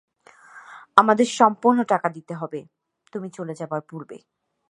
আমাদের সম্পূর্ণ টাকা দিতে হবে, - তুমি চলে যাবার পূর্বে।